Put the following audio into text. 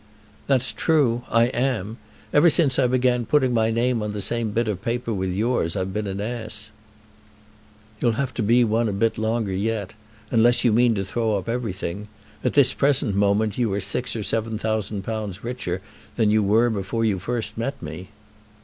"That's true. I am. Ever since I began putting my name on the same bit of paper with yours I've been an ass." "You'll have to be one a bit longer yet; unless you mean to throw up everything. At this present moment you are six or seven thousand pounds richer than you were before you first met me."